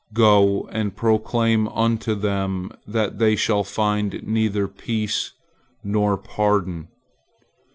Go and proclaim unto them that they shall find neither peace nor pardon.